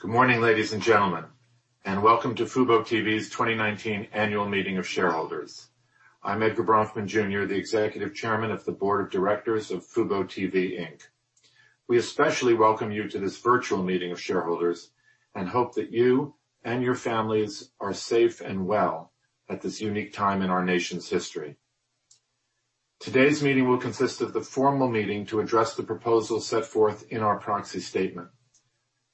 Good morning, ladies and gentlemen, and welcome to fuboTV's 2019 annual meeting of shareholders. I'm Edgar Bronfman Jr., the executive chairman of the board of directors of fuboTV Inc. We especially welcome you to this virtual meeting of shareholders and hope that you and your families are safe and well at this unique time in our nation's history. Today's meeting will consist of the formal meeting to address the proposals set forth in our Proxy Statement.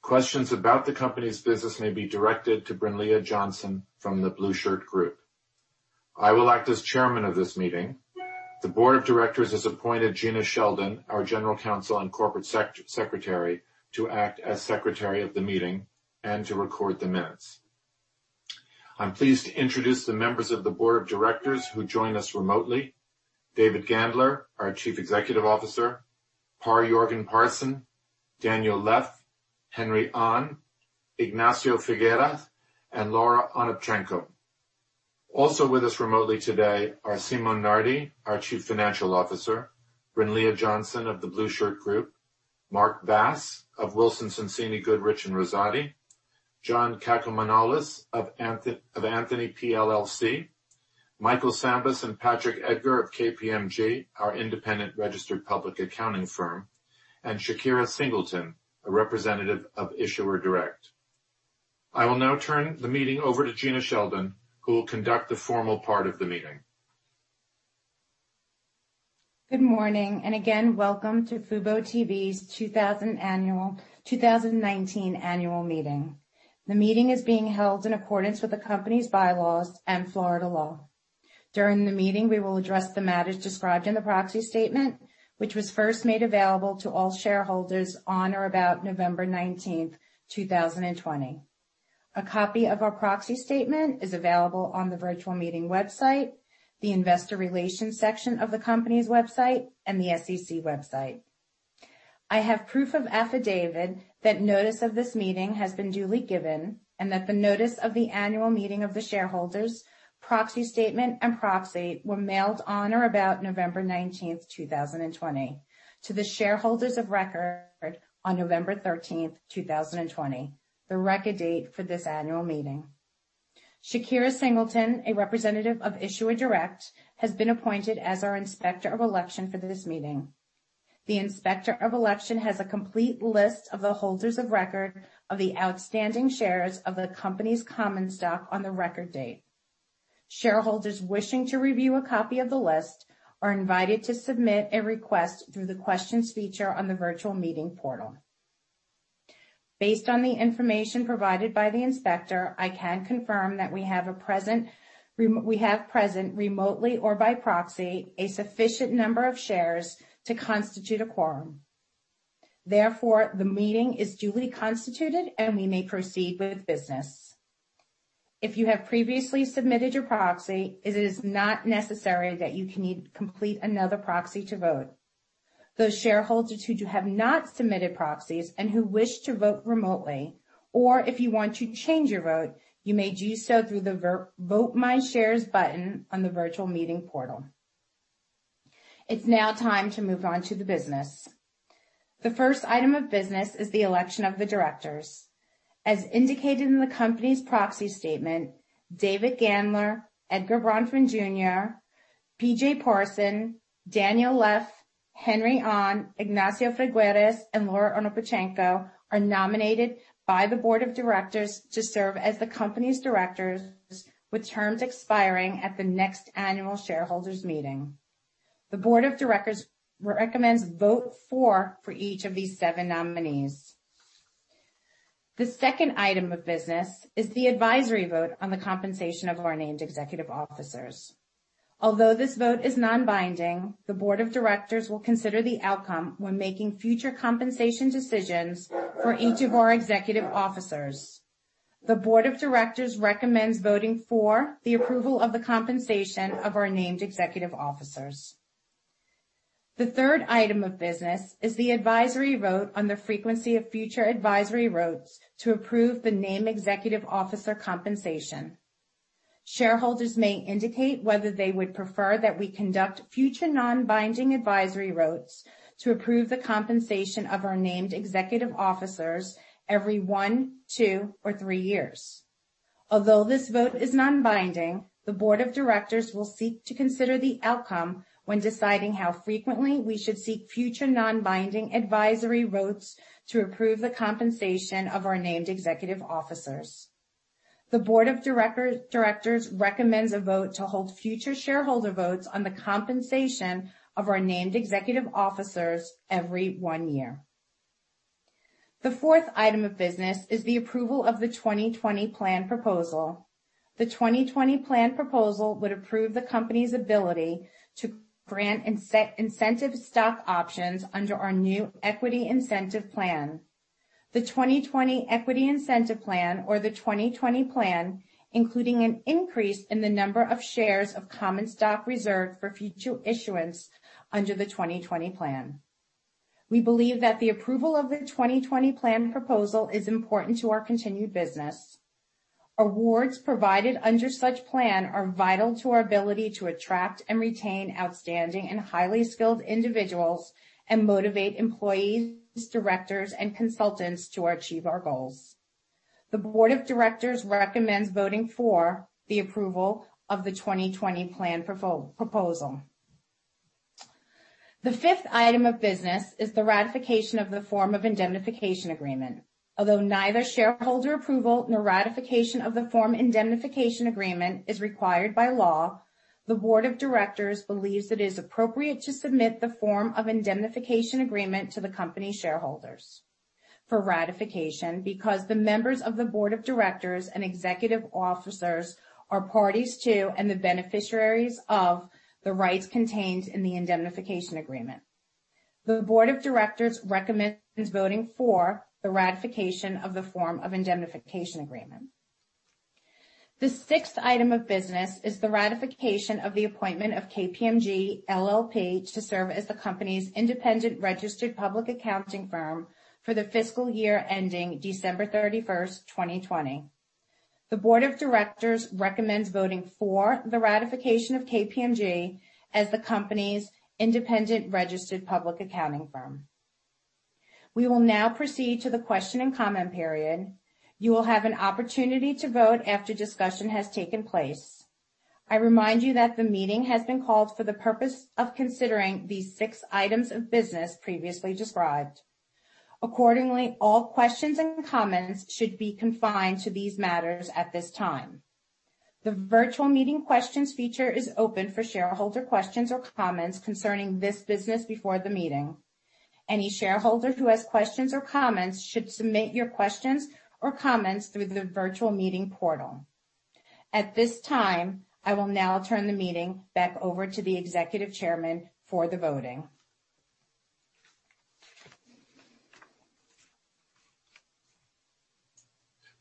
Questions about the company's business may be directed to Brinlea Johnson from The Blueshirt Group. I will act as chairman of this meeting. The board of directors has appointed Gina Sheldon, our general counsel and corporate secretary, to act as secretary of the meeting and to record the minutes. I'm pleased to introduce the members of the board of directors who join us remotely. David Gandler, our Chief Executive Officer, Pär-Jörgen Pärson, Daniel Leff, Henry Ahn, Ignacio Figueras, and Laura Onopchenko. Also with us remotely today are Simone Nardi, our Chief Financial Officer, Brinlea Johnson of The Blueshirt Group, Mark Bass of Wilson Sonsini Goodrich & Rosati, John Cacomanolis of Anthony PLLC, Michael Sambas and Patrick Edgar of KPMG, our independent registered public accounting firm, and Shakera Singleton, a representative of Issuer Direct. I will now turn the meeting over to Gina Sheldon, who will conduct the formal part of the meeting. Good morning, and again, welcome to fuboTV's 2019 annual meeting. The meeting is being held in accordance with the company's bylaws and Florida law. During the meeting, we will address the matters described in the Proxy Statement, which was first made available to all shareholders on or about November 19, 2020. A copy of our Proxy Statement is available on the virtual meeting website, the investor relations section of the company's website, and the SEC website. I have proof of affidavit that notice of this meeting has been duly given and that the notice of the annual meeting of the shareholders, Proxy Statement, and proxy were mailed on or about November 19, 2020 to the shareholders of record on November 13, 2020, the record date for this annual meeting. Shakera Singleton, a representative of Issuer Direct, has been appointed as our inspector of election for this meeting. The inspector of election has a complete list of the holders of record of the outstanding shares of the company's common stock on the record date. Shareholders wishing to review a copy of the list are invited to submit a request through the questions feature on the virtual meeting portal. Based on the information provided by the inspector, I can confirm that we have present remotely or by proxy, a sufficient number of shares to constitute a quorum. Therefore, the meeting is duly constituted, and we may proceed with business. If you have previously submitted your proxy, it is not necessary that you complete another proxy to vote. Those shareholders who have not submitted proxies and who wish to vote remotely or if you want to change your vote, you may do so through the Vote My Shares button on the virtual meeting portal. It's now time to move on to the business. The first item of business is the election of the directors. As indicated in the company's Proxy Statement, David Gandler, Edgar Bronfman Jr., PJ Pärson, Daniel Leff, Henry Ahn, Ignacio Figueras, and Laura Onopchenko are nominated by the board of directors to serve as the company's directors with terms expiring at the next annual shareholders meeting. The board of directors recommends vote for each of these seven nominees. The second item of business is the advisory vote on the compensation of our named executive officers. Although this vote is non-binding, the board of directors will consider the outcome when making future compensation decisions for each of our executive officers. The board of directors recommends voting for the approval of the compensation of our named executive officers. The third item of business is the advisory vote on the frequency of future advisory votes to approve the named executive officer compensation. Shareholders may indicate whether they would prefer that we conduct future non-binding advisory votes to approve the compensation of our named executive officers every one, two, or three years. Although this vote is non-binding, the board of directors will seek to consider the outcome when deciding how frequently we should seek future non-binding advisory votes to approve the compensation of our named executive officers. The board of directors recommends a vote to hold future shareholder votes on the compensation of our named executive officers every one year. The fourth item of business is the approval of the 2020 Plan proposal. The 2020 Plan proposal would approve the company's ability to grant incentive stock options under our new equity incentive plan. The 2020 Equity Incentive Plan or the 2020 Plan, including an increase in the number of shares of common stock reserved for future issuance under the 2020 Plan. We believe that the approval of the 2020 Plan proposal is important to our continued business. Awards provided under such plan are vital to our ability to attract and retain outstanding and highly skilled individuals and motivate employees, directors, and consultants to achieve our goals. The board of directors recommends voting for the approval of the 2020 Plan proposal. The fifth item of business is the ratification of the form of indemnification agreement. Although neither shareholder approval nor ratification of the form indemnification agreement is required by law, the board of directors believes it is appropriate to submit the form of indemnification agreement to the company shareholders for ratification because the members of the board of directors and executive officers are parties to, and the beneficiaries of, the rights contained in the indemnification agreement. The board of directors recommends voting for the ratification of the form of indemnification agreement. The sixth item of business is the ratification of the appointment of KPMG LLP to serve as the company's independent registered public accounting firm for the fiscal year ending December 31st, 2020. The board of directors recommends voting for the ratification of KPMG as the company's independent registered public accounting firm. We will now proceed to the question and comment period. You will have an opportunity to vote after discussion has taken place. I remind you that the meeting has been called for the purpose of considering these six items of business previously described. All questions and comments should be confined to these matters at this time. The virtual meeting questions feature is open for shareholder questions or comments concerning this business before the meeting. Any shareholder who has questions or comments should submit your questions or comments through the virtual meeting portal. At this time, I will now turn the meeting back over to the Executive Chairman for the voting.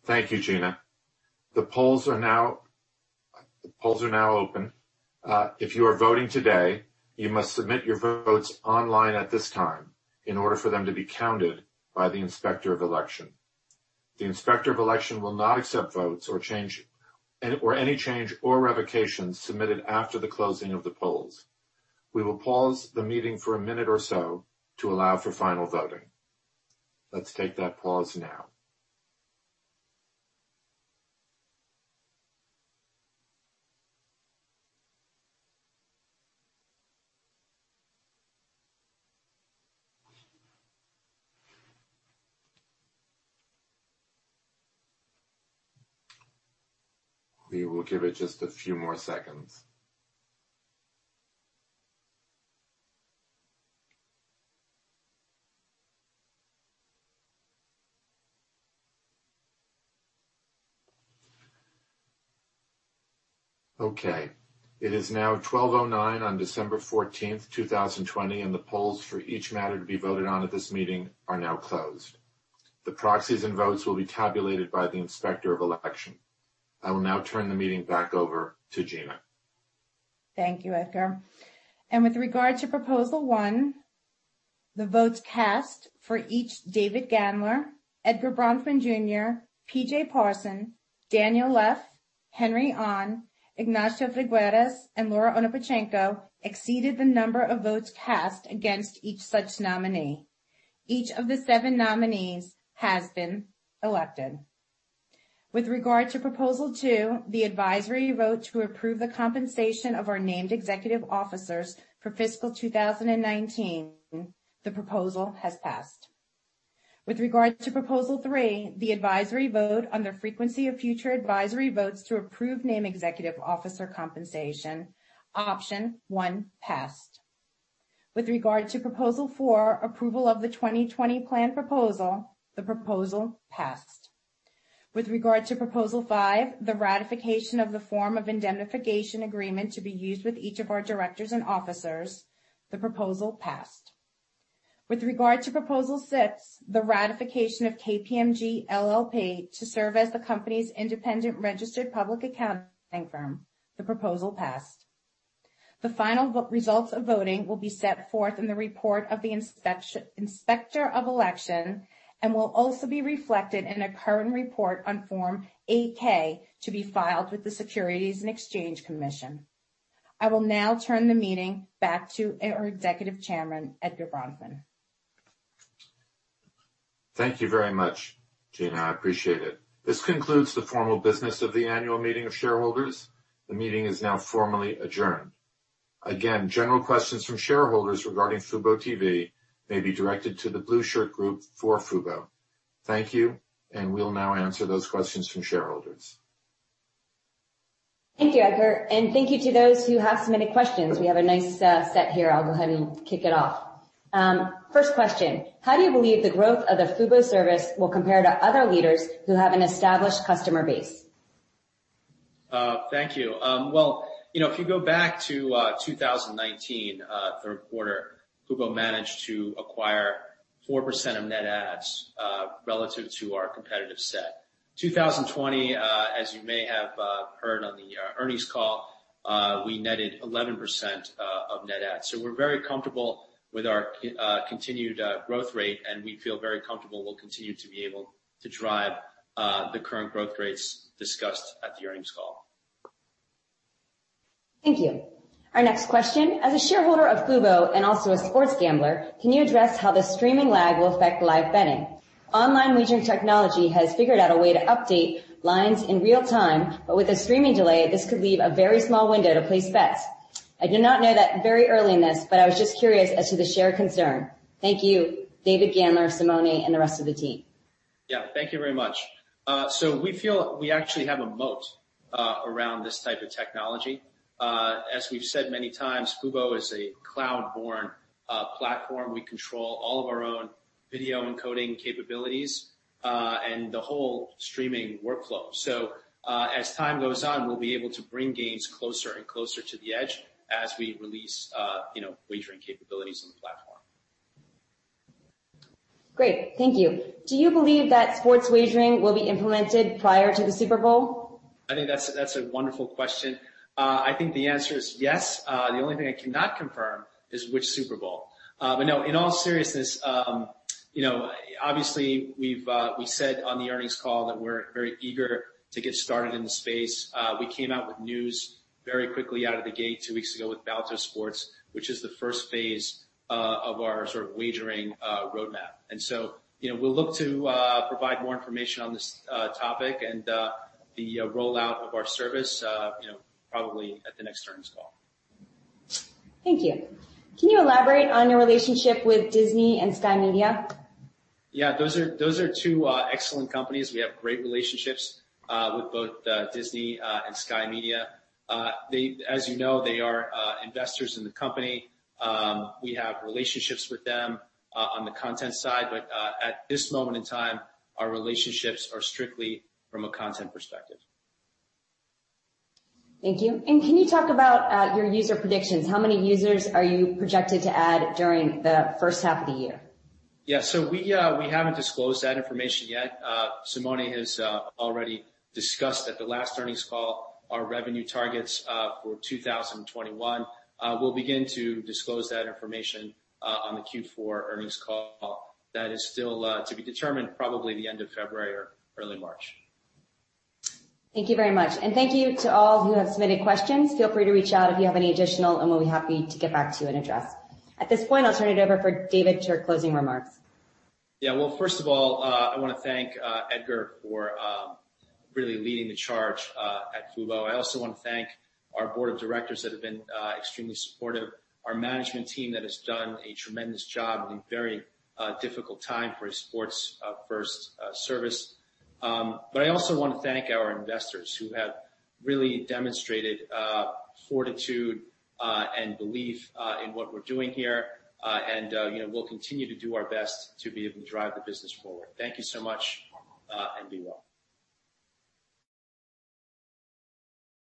Thank you, Gina. The polls are now open. If you are voting today, you must submit your votes online at this time in order for them to be counted by the inspector of election. The inspector of election will not accept votes or any change or revocation submitted after the closing of the polls. We will pause the meeting for a minute or so to allow for final voting. Let's take that pause now. We will give it just a few more seconds. Okay. It is now 12:09 on December 14th, 2020, and the polls for each matter to be voted on at this meeting are now closed. The proxies and votes will be tabulated by the inspector of election. I will now turn the meeting back over to Gina. Thank you, Edgar. With regard to proposal one, the votes cast for each, David Gandler, Edgar Bronfman Jr., PJ Pärson, Daniel Leff, Henry Ahn, Ignacio Figueras, and Laura Onopchenko exceeded the number of votes cast against each such nominee. Each of the seven nominees has been elected. With regard to proposal two, the advisory vote to approve the compensation of our named executive officers for fiscal 2019, the proposal has passed. With regard to proposal three, the advisory vote on the frequency of future advisory votes to approve named executive officer compensation, option one passed. With regard to proposal four, approval of the 2020 Plan proposal, the proposal passed. With regard to proposal five, the ratification of the form of indemnification agreement to be used with each of our directors and officers, the proposal passed. With regard to proposal six, the ratification of KPMG LLP to serve as the company's independent registered public accounting firm, the proposal passed. The final results of voting will be set forth in the report of the inspector of election and will also be reflected in a current report on Form 8-K to be filed with the Securities and Exchange Commission. I will now turn the meeting back to our Executive Chairman, Edgar Bronfman. Thank you very much, Gina. I appreciate it. This concludes the formal business of the annual meeting of shareholders. The meeting is now formally adjourned. Again, general questions from shareholders regarding fuboTV may be directed to The Blueshirt Group for fubo. Thank you, and we'll now answer those questions from shareholders. Thank you, Edgar, and thank you to those who have submitted questions. We have a nice set here. I'll go ahead and kick it off. First question, how do you believe the growth of the fubo service will compare to other leaders who have an established customer base? Thank you. Well, if you go back to 2019, third quarter, fubo managed to acquire 4% of net adds relative to our competitive set. 2020, as you may have heard on the earnings call. We netted 11% of net adds. We're very comfortable with our continued growth rate, and we feel very comfortable we'll continue to be able to drive the current growth rates discussed at the earnings call. Thank you. Our next question, as a shareholder of fubo and also a sports gambler, can you address how the streaming lag will affect live betting? Online wagering technology has figured out a way to update lines in real time, but with a streaming delay, this could leave a very small window to place bets. I do not know that very early in this, but I was just curious as to the shared concern. Thank you, David, Gandler, Simone, and the rest of the team. Yeah. Thank you very much. We feel we actually have a moat around this type of technology. As we've said many times, Fubo is a cloud-born platform. We control all of our own video encoding capabilities, and the whole streaming workflow. As time goes on, we'll be able to bring games closer and closer to the edge as we release wagering capabilities on the platform. Great. Thank you. Do you believe that sports wagering will be implemented prior to the Super Bowl? I think that's a wonderful question. I think the answer is yes. The only thing I cannot confirm is which Super Bowl. No, in all seriousness, obviously we said on the earnings call that we're very eager to get started in the space. We came out with news very quickly out of the gate two weeks ago with Balto Sports, which is the first phase of our sort of wagering roadmap. We'll look to provide more information on this topic and the rollout of our service probably at the next earnings call. Thank you. Can you elaborate on your relationship with Disney and Sky Media? Those are two excellent companies. We have great relationships with both Disney and Sky Media. As you know, they are investors in the company. We have relationships with them on the content side. At this moment in time, our relationships are strictly from a content perspective. Thank you. Can you talk about your user predictions? How many users are you projected to add during the first half of the year? We haven't disclosed that information yet. Simone has already discussed at the last earnings call our revenue targets for 2021. We'll begin to disclose that information on the Q4 earnings call. That is still to be determined, probably the end of February or early March. Thank you very much. Thank you to all who have submitted questions. Feel free to reach out if you have any additional, and we'll be happy to get back to you and address. At this point, I'll turn it over for David to your closing remarks. Yeah. Well, first of all, I want to thank Edgar for really leading the charge at fubo. I also want to thank our board of directors that have been extremely supportive, our management team that has done a tremendous job in a very difficult time for a sports-first service. I also want to thank our investors who have really demonstrated fortitude and belief in what we're doing here. We'll continue to do our best to be able to drive the business forward. Thank you so much, and be well.